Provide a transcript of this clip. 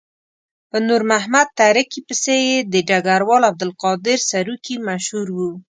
په نور محمد تره کي پسې یې د ډګروال عبدالقادر سروکي مشهور وو.